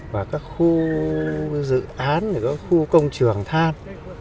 và các khu dự án khu công trường than